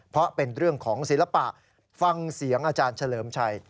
เพราะเป็นเรื่องของศิลปะฟังเสียงอาจารย์เฉลิมชัย